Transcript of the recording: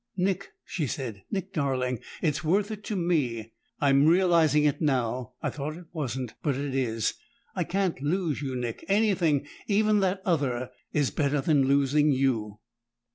"Nick," she said. "Nick darling It's worth it to me! I'm realizing it now; I thought it wasn't but it is! I can't lose you, Nick anything, even that other, is better than losing you."